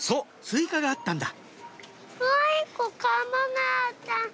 追加があったんだ